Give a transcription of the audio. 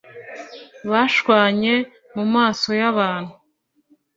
bashwanye mu maso y’abantu